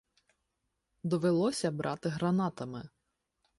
Довелося брати гранатами.